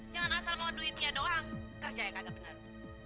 jangan asal mau duitnya doang kerja yang agak benar